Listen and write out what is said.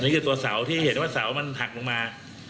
เสาที่มันหักลงมา